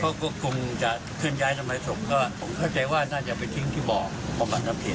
เขาก็คุมจะขึ้นย้ายสัมภาษณ์ศพก็คิดว่าน่าจะไปทิ้งที่บ่อของข้าวท้ำเทียม